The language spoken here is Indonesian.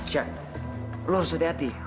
syah lo harus hati hati